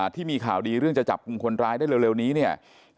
ที่มีข่าวดีเรื่องจะจับกลุ่มคนร้ายได้เร็วนี้เนี่ย